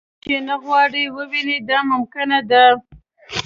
کوم چې نه غواړئ ووینئ دا ممکنه ده.